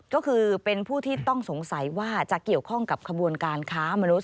ก็คือเป็นผู้ที่ต้องสงสัยว่าจะเกี่ยวข้องกับขบวนการค้ามนุษย